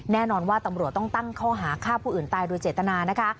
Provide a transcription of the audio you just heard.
แน่นอนว่าตำรวจต้องตั้งข้อหาฆ่าผู้อื่นตายโดยเจตนานะคะ